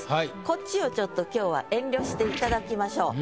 こっちをちょっと今日は遠慮していただきましょう。